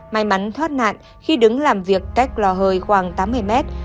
may mắn thoát nạn khi đứng làm việc cách lò hơi khoảng tám mươi mét